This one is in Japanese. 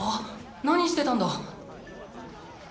何してたんだ？